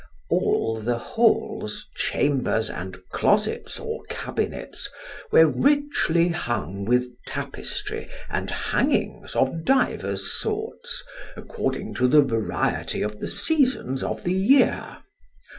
All the halls, chambers, and closets or cabinets were richly hung with tapestry and hangings of divers sorts, according to the variety of the seasons of the year.